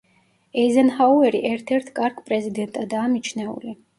ეიზენჰაუერი ერთ-ერთ კარგ პრეზიდენტადაა მიჩნეული.